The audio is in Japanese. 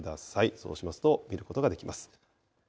そうしますと見ることができます。